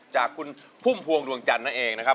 จากคุณพุ่มพวงดวงจันทร์นั่นเองนะครับ